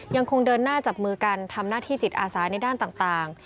ยังคงเดินหน้าจับมือกันทำหน้าที่จิตอาสาในด้านต่าง